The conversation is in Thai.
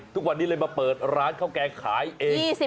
ทุกวันนี้เลยมาเปิดร้านข้าวแกงขายเอง